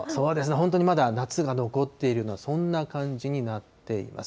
本当にまだ夏が残っているような、そんな感じになっています。